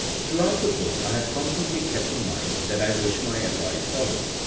Throughout the book I have constantly kept in mind that I wish my advice followed.